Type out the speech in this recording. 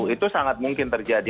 itu sangat mungkin terjadi